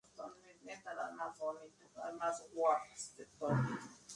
Tanto la corola como el cáliz están cubiertas de pelos densos.